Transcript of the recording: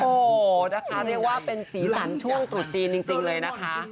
โอ้โหนะคะเรียกว่าเป็นสีสันช่วงตรุษจีนจริงเลยนะคะ